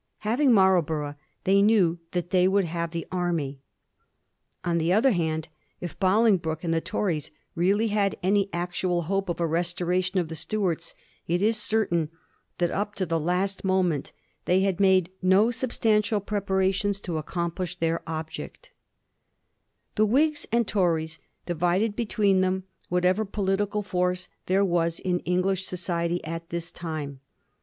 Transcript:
Having Marlborough they knew that they would have the army. On the other hand, if Bolingbroke and the Tories really had any actual hope of a restora tion of the Stuarts, it is certain that up to the last moment they had made no substantial preparations to accomplish their object. Digiti zed by Google 1714 WHIG AND TORY. 2 J The WhigB and Tories divided between them whatever political force there was in English society at this time.